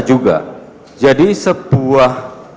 juga jadi sebuah